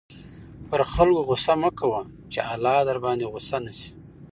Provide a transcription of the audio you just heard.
پر خلکو غصه مه کوه چې اللهﷻ درباندې غصه نه شي.